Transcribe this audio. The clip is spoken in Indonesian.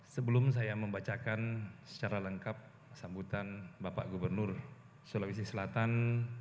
sebelum saya membacakan secara lengkap sambutan bapak gubernur sulawesi selatan